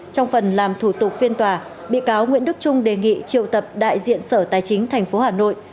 trong phần làm thủ tục phiên tòa bị cáo nguyễn đức trung đề nghị triệu tập đại diện sở tài chính tp hà nội